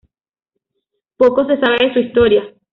Poco se sabe de su historia.